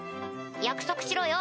約束しろよ？